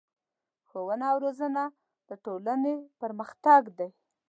ښوونه او روزنه د ټولنې پرمختګ دی.